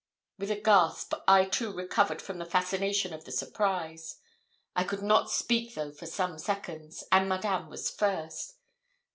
With a gasp, I too recovered from the fascination of the surprise. I could not speak though for some seconds, and Madame was first.